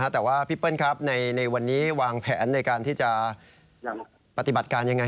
แต่ว่าพี่เปิ้ลครับในวันนี้วางแผนในการที่จะปฏิบัติการยังไง